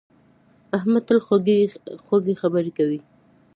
احمد تل خوږې خبرې کوي.